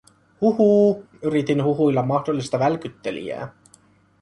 "Huhuu?", yritin huhuilla mahdollista välkyttelijää.